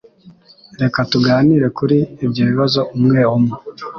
Reka tuganire kuri ibyo bibazo umwe umwe.